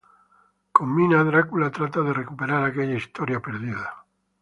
Con Mina, Drácula trata de recuperar aquella historia perdida.